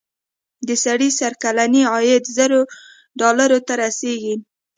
د سړي سر کلنی عاید زر ډالرو ته رسېږي.